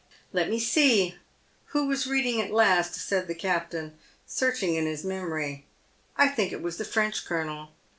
" Let me see, who was reading it last ?" said the captain, search ing in his memory. " I think it was the Trench colonel.